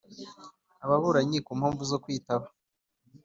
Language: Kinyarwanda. Ababuranyi ku mpamvu zo kwitaba